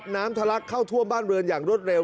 ทะลักเข้าท่วมบ้านเรือนอย่างรวดเร็ว